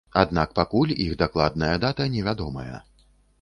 Аднак пакуль іх дакладная дата невядомая.